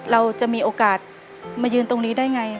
เราจะมีโอกาสมายืนตรงนี้ได้ไง